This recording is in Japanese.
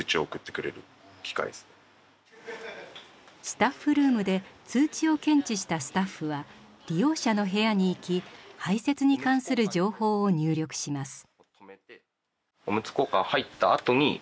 スタッフルームで通知を検知したスタッフは利用者の部屋に行き排せつに関する情報を入力します。